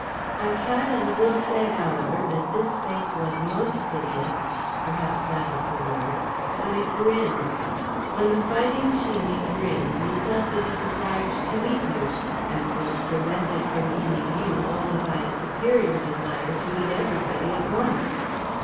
I can and will say, however, that this face was most hideous—perhaps that is the word—when it grinned. When The Fighting Sheeney grinned you felt that he desired to eat you, and was prevented from eating you only by a superior desire to eat everybody at once.